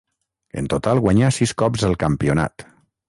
En total guanyà sis cops el campionat.